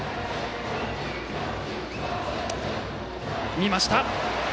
見ました。